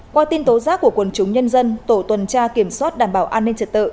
qua tin tố giác của quần chúng nhân dân tổ tuần tra kiểm soát đảm bảo an ninh trật tự